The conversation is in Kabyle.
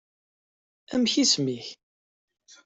Amek isem-k?